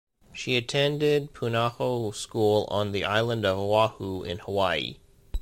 She attended Punahou School on the island of Oahu in Hawaii.